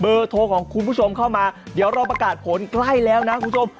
โทรของคุณผู้ชมเข้ามาเดี๋ยวเราประกาศผลใกล้แล้วนะคุณผู้ชม